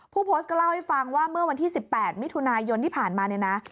ผู้โพสต์ก็เล่าให้ฟังว่าเมื่อวันที่๑๘มิถุนายนที่ผ่านมาเนี่ยนะ